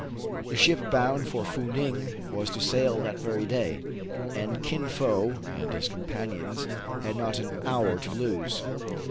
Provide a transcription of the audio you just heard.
The ship bound for Fou Ning was to sail that very day, and Kin Fo and his companions had not an hour to lose.